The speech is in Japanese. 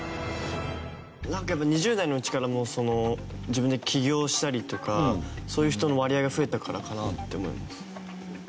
なんか２０代のうちから自分で起業したりとかそういう人の割合が増えたからかなって思いますね。